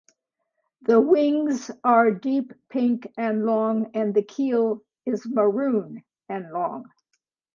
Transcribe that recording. The wings are deep pink and long and the keel is maroon and long.